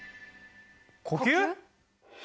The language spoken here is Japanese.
呼吸！？